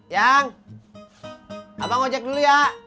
yang abang ojek dulu ya